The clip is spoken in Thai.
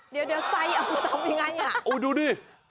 เดี๋ยวใส่ทำยังไงอ่ะโอ้ว้ดูดิ